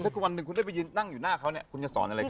ถ้าวันหนึ่งคุณได้ไปนั่งอยู่หน้าเขาคุณจะสอนอะไรครับ